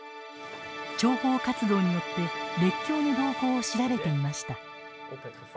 諜報活動によって列強の動向を調べていました。